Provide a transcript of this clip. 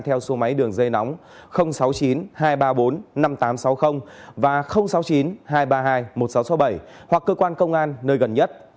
theo số máy đường dây nóng sáu mươi chín hai trăm ba mươi bốn năm nghìn tám trăm sáu mươi và sáu mươi chín hai trăm ba mươi hai một nghìn sáu trăm sáu mươi bảy hoặc cơ quan công an nơi gần nhất